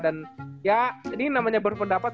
dan ya ini namanya berpendapat